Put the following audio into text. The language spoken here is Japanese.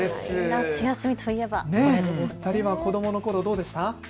夏休みといえばお二人は子どものころどうでした？